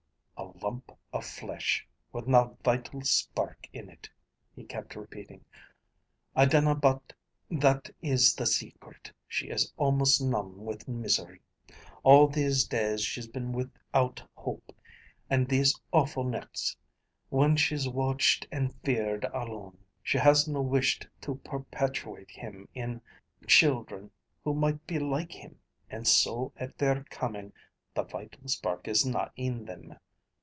"'A lump of flesh with na vital spark in it,'" he kept repeating. "I dinna but that is the secret. She is almost numb with misery. All these days when she's been without hope, and these awful nichts, when she's watched and feared alone, she has no wished to perpetuate him in children who might be like him, and so at their coming the 'vital spark' is na in them.